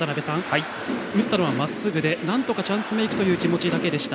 打ったのは、まっすぐでなんとかチャンスメークという気持ちだけでした。